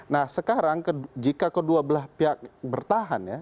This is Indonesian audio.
nah sekarang jika kedua belah pihak bertahan ya